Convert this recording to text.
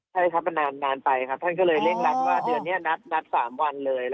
ใช่ครับมันนานไปครับท่านก็เลยเร่งรัดว่าเดือนนี้นัด๓วันเลย